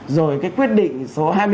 rồi cái quyết định số hai mươi ba